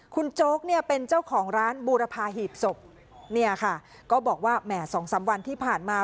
คุณโจ๊กเนี่ยเป็นเจ้าของร้านบูรพาหีบศพเนี่ยค่ะก็บอกว่าแหม่สองสามวันที่ผ่านมา